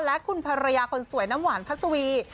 และคุณภรรยาคนสวยน้ำหวานพัศวี